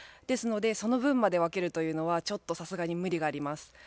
ですのでその分まで分けるというのはちょっとさすがに無理があります。